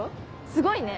すごいね。